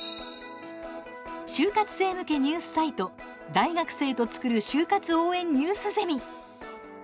就活生向けニュースサイト「大学生とつくる就活応援ニュースゼミ」。